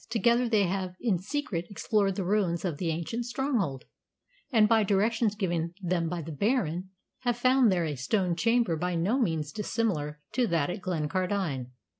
Together they have in secret explored the ruins of the ancient stronghold, and, by directions given them by the Baron, have found there a stone chamber by no means dissimilar to that at Glencardine.